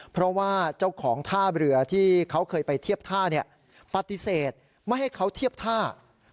เพราะว่าเจ้าของท่าเรือที่เขาเคยไปเทียบท่าปฏิเสธไม่ให้เขาเทียบท่า